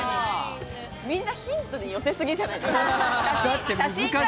みんなヒントに寄せすぎじゃない？